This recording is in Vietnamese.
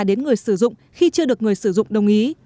đến người sử dụng khi chưa được người sử dụng đồng ý